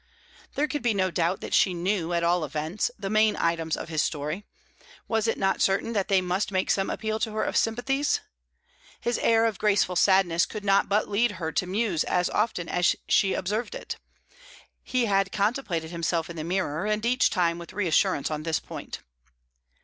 There could be no doubt that she knew, at all events, the main items of his story; was it not certain that they must make some appeal to her sympathies? His air of graceful sadness could not but lead her to muse as often as she observed it; he had contemplated himself in the mirror, and each time with reassurance on this point.